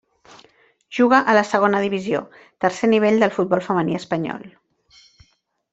Juga a la Segona Divisió, tercer nivell del futbol femení espanyol.